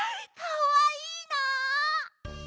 かわいいな！